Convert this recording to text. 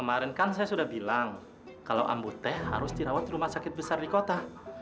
kemarin kan saya sudah bilang kalau ambuteh harus dirawat rumah sakit besar di kota